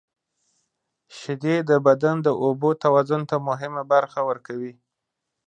• شیدې د بدن د اوبو توازن ته مهمه برخه ورکوي.